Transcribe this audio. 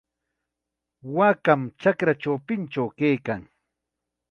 Waakam chakra chawpinchaw kaykan.